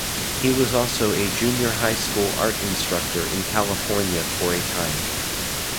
He was also a junior high school art instuctor in California for a time.